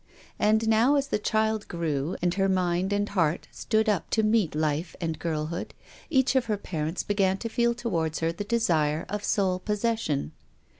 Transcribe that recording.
And now, as the child grew, and her mind and heart stood up to meet life and girl hood, each of her parents began to feel towards her the desire of sole possession.